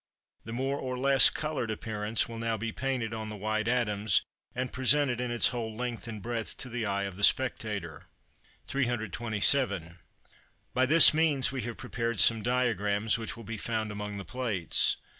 The more or less coloured appearance will now be painted on the white atoms, and presented in its whole length and breadth to the eye of the spectator. 327. By this means we have prepared some diagrams, which will be found among the plates.